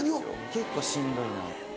結構しんどいなって。